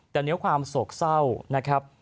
แต่เนื้อความโศกเศร้านะครับ